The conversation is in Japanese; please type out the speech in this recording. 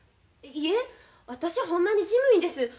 いえ私はほんまに事務員です。